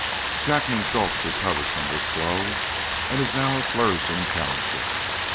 Jackman's Gulch recovered from this blow, and is now a flourishing township.